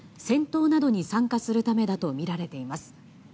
戦闘などに参加するためだとみられています。